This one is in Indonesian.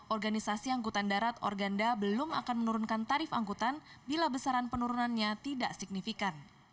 organisasi angkutan darat organda belum akan menurunkan tarif angkutan bila besaran penurunannya tidak signifikan